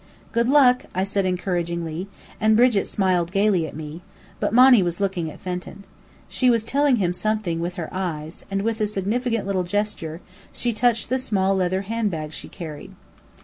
"Good luck!" I said encouragingly, and Brigit smiled gayly at me; but Monny was looking at Fenton. She was telling him something with her eyes; and, with a significant little gesture, she touched the small leather handbag she carried.